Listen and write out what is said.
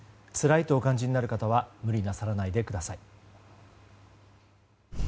つらいとお感じになる方は無理なさらないでください。